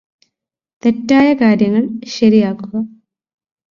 തെറ്റായ കാര്യങ്ങള് ശരിയാക്കുക